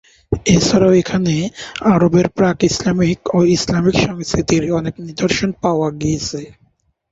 এছাড়াও এখানে আরবের প্রাক-ইসলামিক ও ইসলামিক সংস্কৃতির অনেক নিদর্শন পাওয়া গিয়েছে।